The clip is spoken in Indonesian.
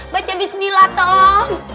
baca bismillah tolong